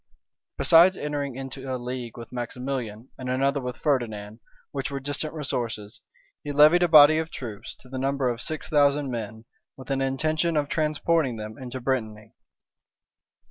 Besides entering into a league with Maximilian, and another with Ferdinand, which were distant resources, he levied a body of troops, to the number of six thousand men, with an intention of transporting them into Brittany.